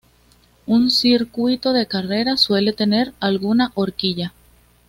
Un circuito de carreras suele tener alguna horquilla.